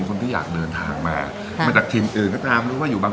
ส่วนที่อยากเดินทางมาใช่เมื่อจากทินอื่นก็กามรู้ว่าอยู่บาง